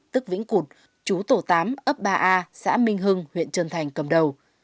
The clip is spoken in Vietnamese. tức vĩnh cụt chú tổ tám ấp ba a xã minh hưng huyện trân thành cầm đầu